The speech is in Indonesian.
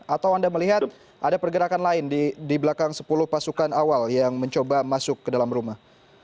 atau anda melihat ada pergerakan lain di belakang sepuluh pasukan awal yang mencoba masuk ke dalam rumah